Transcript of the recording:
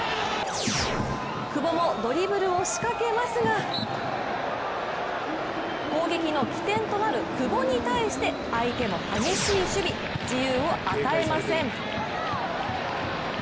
久保もドリブルを仕掛けますが攻撃の起点となる久保に対して相手も激しい守備、自由を与えません。